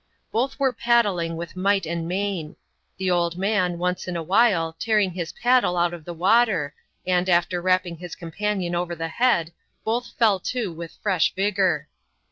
Both wei^ paddling with might and main ; the old man, once in a wMle, tearing his paddle out of the water ; and, after rapping his companion over the head, both fell to with fresh vigour.